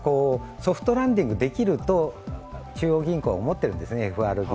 ソフトランディングできるとＦＲＢは思っているんですね。